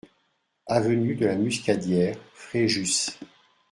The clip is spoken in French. Avenue de la Muscadière, Fréjus